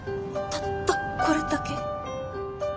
たったこれだけ？